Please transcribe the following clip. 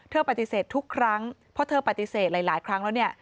ปฏิเสธทุกครั้งเพราะเธอปฏิเสธหลายครั้งแล้วเนี่ย